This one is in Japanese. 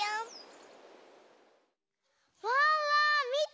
ワンワンみて！